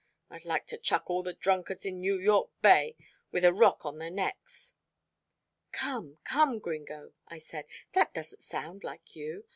I'd like to chuck all the drunkards in New York Bay with a rock on their necks." "Come, come, Gringo," I said, "that doesn't sound like you.